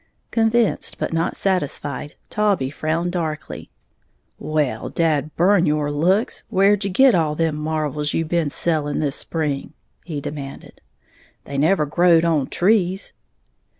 Convinced but not satisfied, Taulbee frowned darkly. "Well, dad burn your looks, where'd you git all them marvles you been selling this spring," he demanded, "they never growed on trees."